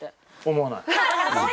思わない。